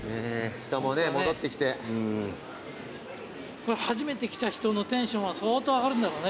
これ初めて来た人のテンションは相当上がるんだろうね。